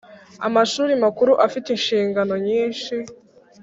amashuri makuru afite inshingano nyinshi